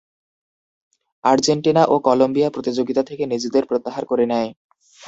Argentina ও Colombia প্রতিযোগিতা থেকে নিজেদের প্রত্যাহার করে নেয়।